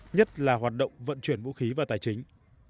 nhất là hoạt động vận chuyển vũ khí và tài chính